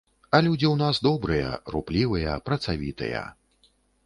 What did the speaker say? А людзі ў нас добрыя, руплівыя, працавітыя.